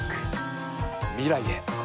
未来へ。